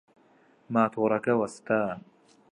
ماتۆڕەکە وەستا.